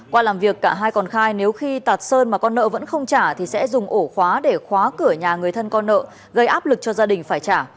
qua làm việc cả hai còn khai nếu khi tạt sơn mà con nợ vẫn không trả thì sẽ dùng ổ khóa để khóa cửa nhà người thân con nợ gây áp lực cho gia đình phải trả